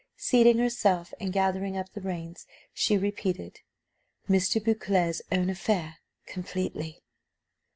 Seating herself, and gathering up the reins, she repeated "Mr. Beauclerc's own affair, completely."